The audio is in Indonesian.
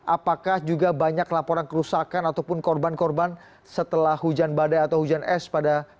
apakah juga banyak laporan kerusakan ataupun korban korban setelah hujan badai atau hujan es pada